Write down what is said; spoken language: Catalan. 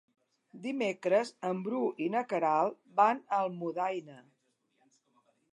Dimecres en Bru i na Queralt van a Almudaina.